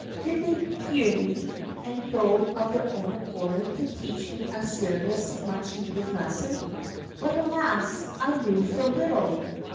Did they hear me, and go of their own accord to teach me a serious, much needed lesson ? But alas, I knew so little